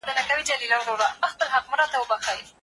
ستا نېکمرغي ستا په خپل هیواد کي پیدا کیږي.